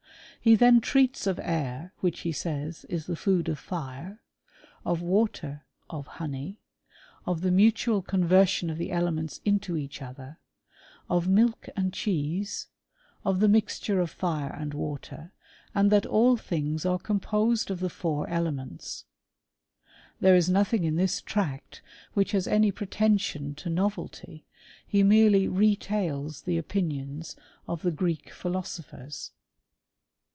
He then treats of air, which, he says, is the food of fire, of water, of honey, of the mutual conversion of the elements into each other ; of milk and cheese, of the mixture of fire and water, and that all things are composed of the four elements. There is nothing in this tract which has any pretension to novelty ; he merely retails the opinions of the Greek philosophers.